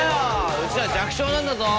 うちは弱小なんだぞ！